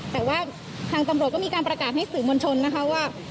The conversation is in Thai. แต่ว่าทางตำรวจก็มีการประกาศให้สื่อมวลชนนะคะว่า